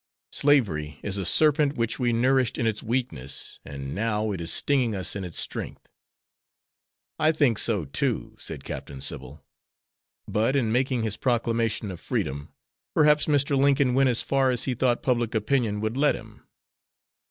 Slavery is a serpent which we nourished in its weakness, and now it is stinging us in its strength." "I think so, too," said Captain Sybil. "But in making his proclamation of freedom, perhaps Mr. Lincoln went as far as he thought public opinion would let him."